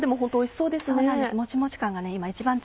そうなんですね。